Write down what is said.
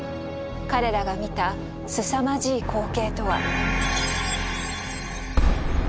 彼らが見たすさまじい光景とは。